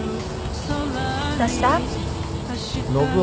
どうした？